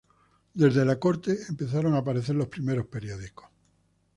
Desde la corte, empezaron a aparecer los primeros periódicos.